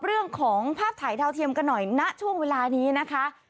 เรื่องของภาพถ่ายดาวเทียมกันหน่อยณช่วงเวลานี้นะคะ